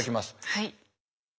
はい。